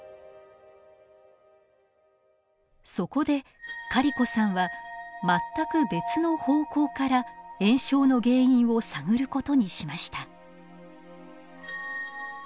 そこでカリコさんは全く別の方向から炎症の原因を探ることにしました。